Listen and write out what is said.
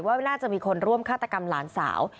ว่าน่าจะมีคนร่วมฆาตกรรมหลานสาว